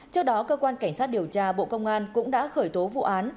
trước đó cơ quan cảnh sát điều tra bộ công an cũng đã khởi tố vụ án